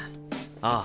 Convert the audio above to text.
ああ。